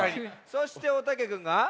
そしておたけくんが。